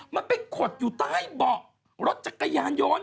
มันไปขดอยู่ใต้เบาะรถจักรยานยนต์